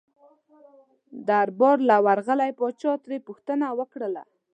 دربار له ورغی پاچا ترې پوښتنه وکړله.